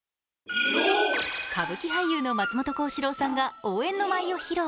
歌舞伎俳優の松本幸四郎さんが応援の舞を披露。